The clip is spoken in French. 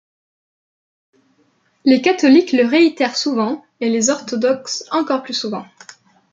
Les catholiques le réitèrent souvent, et les orthodoxes encore plus souvent.